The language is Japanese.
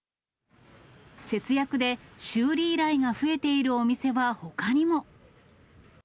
節約で修理依頼が増えているお店はほかにも。